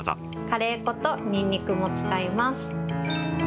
カレー粉とにんにくも使います。